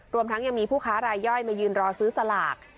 รวมทั้งยังมีผู้ค้ารายย่อยมายืนรอซื้อสลาก